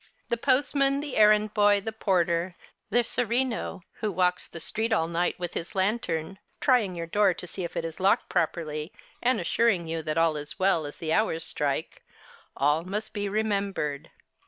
The postman, the errand boy, the porter, the sereno who walks The Holidays 55 the street all night with his lantern, trying your door to see if it is locked properly, and assuring you that all is well as the hours strike, — all must be remembered.